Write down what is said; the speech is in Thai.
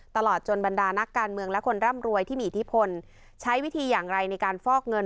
ตลอดจนบรรดานักการเมืองและคนร่ำรวยที่มีอิทธิพลใช้วิธีอย่างไรในการฟอกเงิน